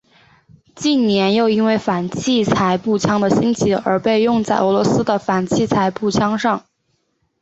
近年又因为反器材步枪的兴起而被用在俄罗斯的反器材步枪上。